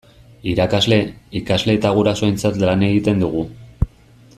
Irakasle, ikasle eta gurasoentzat lan egiten dugu.